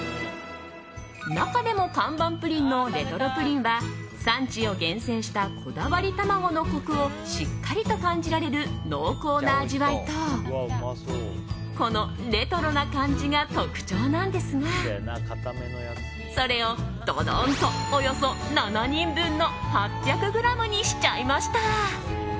中でも看板プリンのレトロプリンは産地を厳選したこだわり卵のコクをしっかりと感じられる濃厚な味わいとこのレトロな感じが特徴なんですがそれをドドーンとおよそ７人分の８００ｇにしちゃいました。